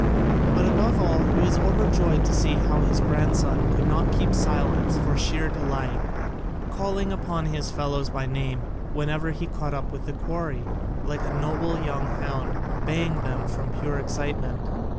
But above all he was overjoyed to see how his grandson could not keep silence for sheer delight, calling upon his fellows by name whenever he came up with the quarry, like a noble young hound, baying from pure excitement.